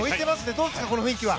どうですか、この雰囲気は。